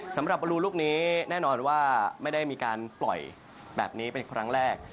สำหรับบรูลูกนี้แน่นอนว่าไม่ได้มีการปล่อยแบบนี้เป็นครั้งแรก